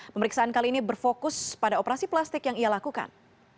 pemeriksaan kali ini berfokus pada operasi plastik yang ia lakukan